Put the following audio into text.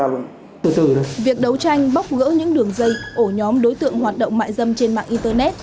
việc đấu tranh bóc gỡ những đường dây ổ nhóm đối tượng hoạt động mại dâm trên mạng internet